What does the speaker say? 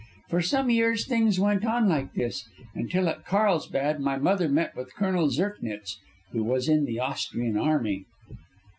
For some years things went on like this, until at Carlsbad my mother met with Colonel Zirknitz, who was in the Austrian army."